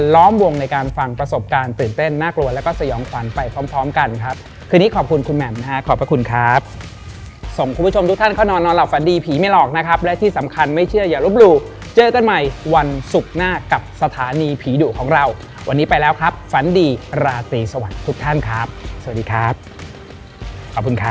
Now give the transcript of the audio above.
ฟังประสบการณ์ตื่นเต้นน่ากลัวแล้วก็สยองขวัญไปพร้อมพร้อมกันครับคืนนี้ขอบคุณคุณแหม่มฮะขอบพระคุณครับส่งคุณผู้ชมทุกท่านเข้านอนนอนหลับฝันดีผีไม่หลอกนะครับและที่สำคัญไม่เชื่ออย่าลบหลู่เจอกันใหม่วันศุกร์หน้ากับสถานีผีดุของเราวันนี้ไปแล้วครับฝันดีราตรีสวัสดีทุกท่านครับสวัสดีครับขอบคุณครับ